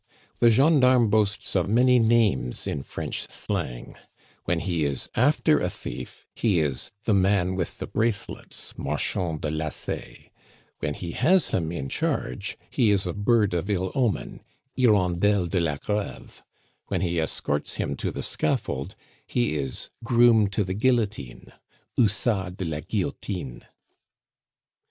The gendarme boasts of many names in French slang; when he is after a thief, he is "the man with the bracelets" (marchand de lacets); when he has him in charge, he is a bird of ill omen (hirondelle de la Greve); when he escorts him to the scaffold, he is "groom to the guillotine" (hussard de la guillotine).